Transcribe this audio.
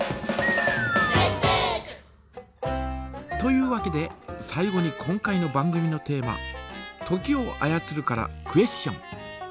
というわけで最後に今回の番組のテーマ「時を操る」からクエスチョン。